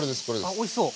あっおいしそう！